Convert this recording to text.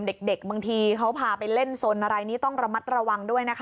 เด็กบางทีเขาพาไปเล่นสนอะไรนี่ต้องระมัดระวังด้วยนะคะ